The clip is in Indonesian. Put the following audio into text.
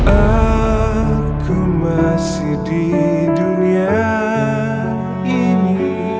aku masih di dunia ini